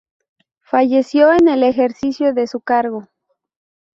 Falleció en el ejercicio de su cargo.